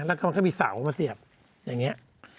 แล้วก็มันก็มีเสามาเสียบอย่างนี้